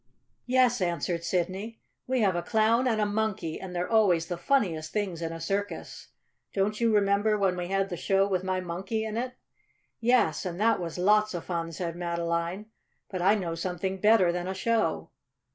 "Yes," answered Sidney. "We have a Clown and a Monkey, and they're always the funniest things in a circus. Don't you remember when we had the show with my Monkey in it?" "Yes. And that was lots of fun," said Madeline. "But I know something better than a show."